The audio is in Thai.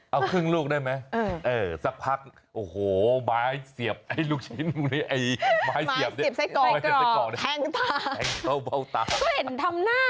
เอาครึ่งลูกอ่ะครับเอาครึ่งลูกได้ไหม